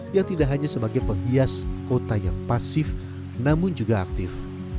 yang tidak hanya sebagai penghias kota yang pasif namun juga aktif